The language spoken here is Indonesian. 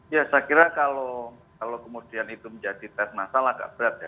ya saya kira kalau kemudian itu menjadi tes masal agak berat ya